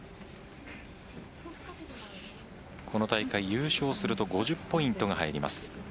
この大会、優勝すると５０ポイントが入ります。